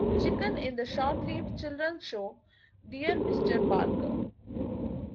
Chicken, in the short lived children's show "Dear Mr. Barker".